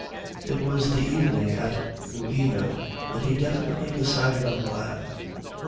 It was the evening at Luino that he definitely decided on Milan.